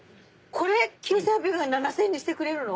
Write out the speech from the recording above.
これ９８００円７０００円にしてくれるの？